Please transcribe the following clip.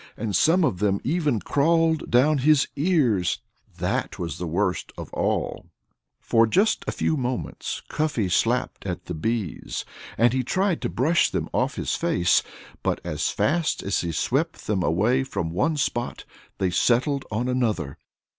And some of them even crawled down his ears. That was the worst of all. Just for a few moments Cuffy slapped at the bees. And he tried to brush them off his face. But as fast as he swept them away from one spot they settled on another.